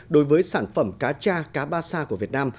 đối với sản phẩm cá cha cá ba sa của việt nam